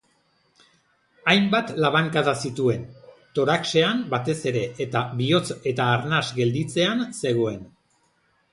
Hainbat labankada zituen, toraxean batez ere eta bihotz eta arnas gelditzean zegoen.